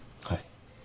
はい。